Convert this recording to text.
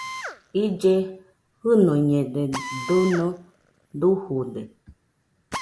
Ille jɨnuiñede, dɨno dujude